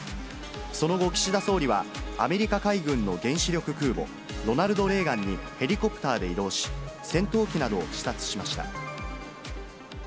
その後、岸田総理は、アメリカ海軍の原子力空母ロナルド・レーガンにヘリコプターで移動し、戦闘機などを視察しました。